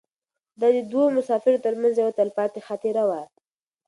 دا د دوو مسافرو تر منځ یوه تلپاتې خاطره وه.